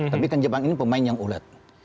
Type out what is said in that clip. tapi kan jepang ini pemain yang ulet